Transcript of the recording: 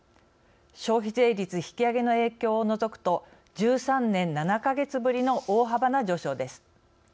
消費税率引き上げの影響を除くと１３年７か月ぶりの大幅な上昇です。